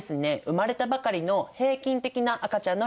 生まれたばかりの平均的な赤ちゃんの人形です。